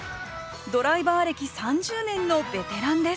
ドライバー歴３０年のベテランです